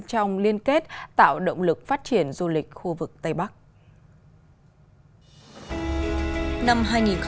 trong liên kết tạo động lực phát triển du lịch khu vực tây bắc